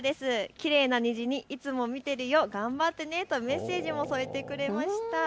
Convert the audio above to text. きれいな虹にいつも見てるよ頑張ってねとメッセージも添えてくれました。